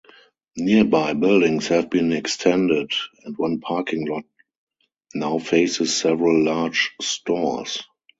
Nearby buildings have been extended, and one parking lot now faces several large stores.